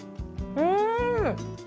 うん！